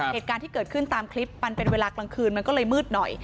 เหตุการณ์ที่เกิดขึ้นตามคลิปมันเป็นเวลากลางคืนมันก็เลยมืดหน่อย